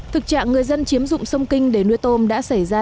thực trạng người dân chiếm dụng sông kinh để nuôi tôm đã xảy ra